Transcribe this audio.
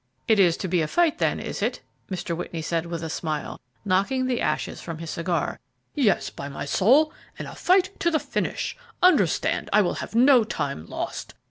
"It is to be a fight, then, is it?" Mr. Whitney asked with a smile, knocking the ashes from his cigar. "Yes, by my soul, and a fight to the finish. Understand, I will have no time lost.